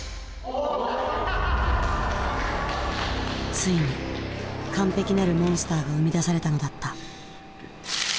ついに完璧なるモンスターが生み出されたのだった。